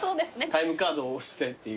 タイムカードを押してっていう。